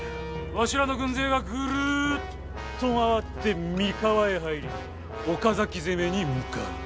わしらの軍勢がぐるっと回って三河へ入り岡崎攻めに向かう。